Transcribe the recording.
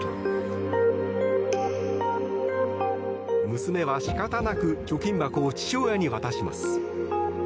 娘は仕方なく貯金箱を父親に渡します。